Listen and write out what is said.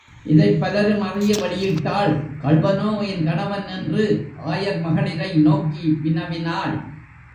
இதைப் பலரும் அறிய வெளியிட்டாள் கள்வனோ என் கணவன்? என்று ஆயர் மகளிரை நோக்கி வினவினாள்.